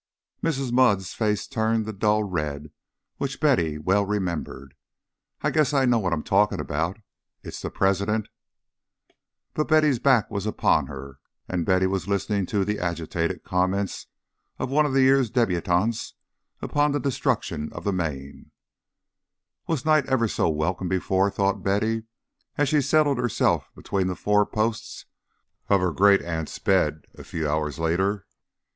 Mrs. Mudd's face turned the dull red which Betty well remembered. "I guess I know what I'm talking' about. It's the President " But Betty's back was upon her, and Betty was listening to the agitated comments of one of the year's debutantes upon the destruction of the Maine. "Was night ever so welcome before?" thought Betty, as she settled herself between the four posts of her great aunt's bed, a few hours later.